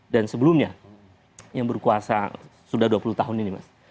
dan sebelumnya yang berkuasa sudah dua puluh tahun ini